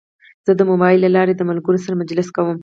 زه د موبایل له لارې د ملګرو سره مجلس کوم.